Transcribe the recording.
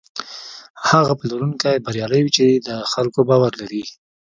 هغه پلورونکی بریالی وي چې د خلکو باور لري.